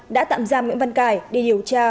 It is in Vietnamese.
đã tạm giam nguyễn văn cải để điều tra